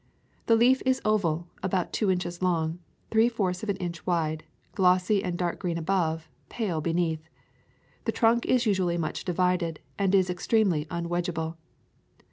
The leaf is oval, about two inches long, three fourths of an inch wide, glossy and dark green above, pale beneath. The trunk is usually much divided, and is ex tremely unwedgeable.